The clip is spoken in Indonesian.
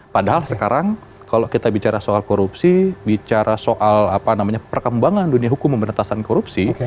padahal sekarang kalau kita bicara soal korupsi bicara soal perkembangan dunia hukum pemberantasan korupsi